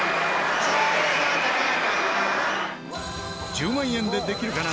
『１０万円でできるかな』